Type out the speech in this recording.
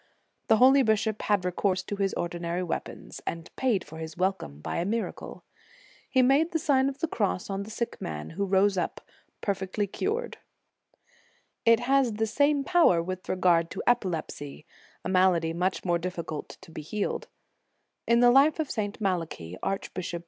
The holy bishop had re course to his ordinary weapons, and paid for his welcome by a miracle. He made the Sign of the Cross on the sick man, who rose up, perfectly cured. j It has the same power with regard to epi lepsy, a malady much more difficult to be healed. In the life of St. Malachy, archbishop * Mabillon, ubi supra, lib. iv. c. 6. n.